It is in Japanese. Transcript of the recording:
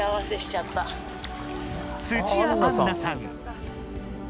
土屋アンナさん。